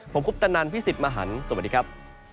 ผมคุปตะนันพี่สิทธิ์มหันฯสวัสดีครับ